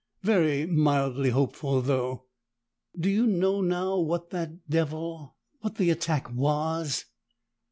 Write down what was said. Very mildly hopeful, though." "Do you know now what that devil what the attack was?"